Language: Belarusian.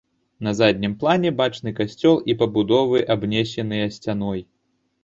На заднім плане бачны касцёл і пабудовы, абнесеныя сцяной.